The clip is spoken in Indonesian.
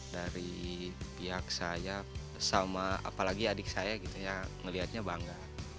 dari pihak saya sama apalagi adik saya yang melihatnya bangga